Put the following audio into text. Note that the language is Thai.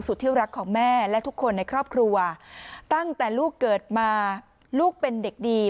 ที่รักของแม่และทุกคนในครอบครัวตั้งแต่ลูกเกิดมาลูกเป็นเด็กดี